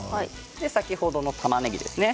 先ほどのたまねぎですね。